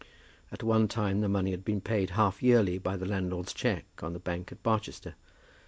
At one time the money had been paid half yearly by the landlord's cheque on the bank at Barchester.